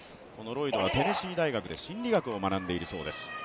ロイドはテネシー大学で心理学を学んでいるそうです。